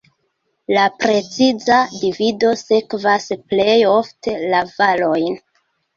La preciza divido sekvas plej ofte la valojn.